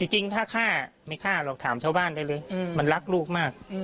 จริงถ้าฆ่าไม่ฆ่าหรอกถามชาวบ้านได้เลยมันรักลูกมาก